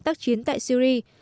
tác chiến tại syria